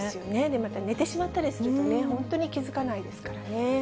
また寝てしまったりすると、本当に気付かないですからね。